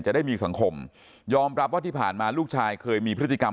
ได้มีสังคมยอมรับว่าที่ผ่านมาลูกชายเคยมีพฤติกรรม